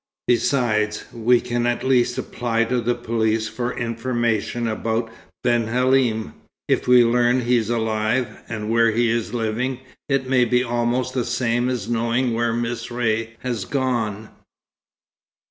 Besides, we can at least apply to the police for information about Ben Halim. If we learn he's alive, and where he is living, it may be almost the same as knowing where Miss Ray has gone."